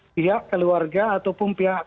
pihak keluarga ataupun pihak